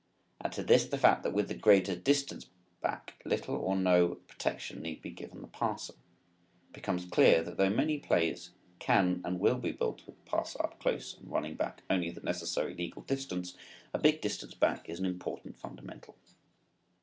Add to this the fact that with the greater distance back little or no protection need be given the passer, it becomes clear that though many plays can and will be built with the passer up close and running back only the necessary legal distance, a big distance back is an important fundamental.